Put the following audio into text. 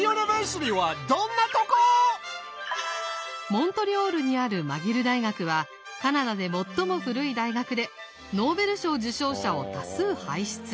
モントリオールにあるマギル大学はカナダで最も古い大学でノーベル賞受賞者を多数輩出。